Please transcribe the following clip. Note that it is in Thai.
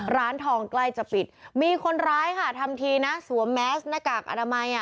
ร้านทองใกล้จะปิดมีคนร้ายค่ะทำทีนะสวมแมสหน้ากากอนามัยอ่ะ